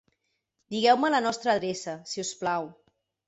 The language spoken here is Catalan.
Digueu-me la nostra adreça, si us plau.